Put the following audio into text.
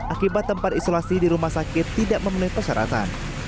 akibat tempat isolasi di rumah sakit tidak memenuhi persyaratan